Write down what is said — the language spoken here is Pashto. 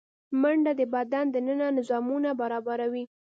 منډه د بدن دننه نظامونه برابروي